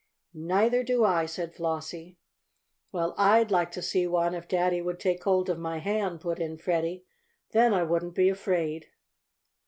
"Neither do I," said Flossie. "Well, I'd like to see one if daddy would take hold of my hand," put in Freddie. "Then I wouldn't be afraid."